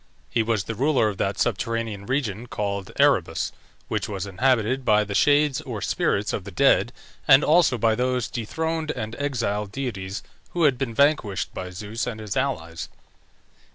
He was the ruler of that subterranean region called Erebus, which was inhabited by the shades or spirits of the dead, and also by those dethroned and exiled deities who had been vanquished by Zeus and his allies.